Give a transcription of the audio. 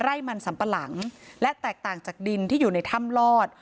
ไร่มันสัมปะหลังและแตกต่างจากดินที่อยู่ในถ้ำลอด